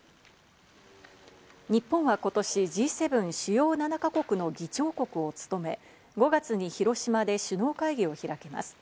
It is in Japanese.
日本は今年、Ｇ７＝主要７か国の議長国を務め、５月に広島で首脳会議を開きます。